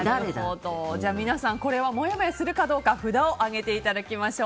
皆さんこれはもやもやするかどうか札を上げていただきましょう。